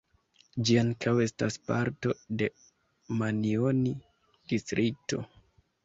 Ĝi ankaŭ estas parto de Manjoni-Distrikto.